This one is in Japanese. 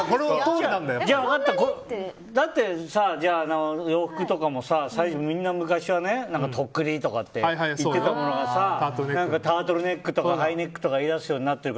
だって、洋服とかもさみんな昔はとっくりとか言ってたものがさタートルネックとかハイネックとか言い出すようになって。